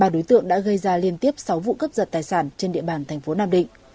ba đối tượng đã gây ra liên tiếp sáu vụ cấp giật tài sản trên địa bàn thành phố nam định